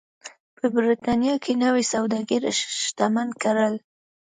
په برېټانیا کې نوي سوداګر شتمن کړل.